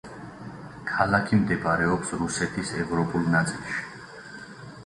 ქალაქი მდებარეობს რუსეთის ევროპულ ნაწილში.